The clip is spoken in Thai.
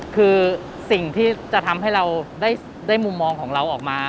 คือสิ่งที่จะทำให้เราได้มุมมองของเราออกมา